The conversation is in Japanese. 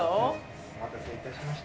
お待たせいたしました。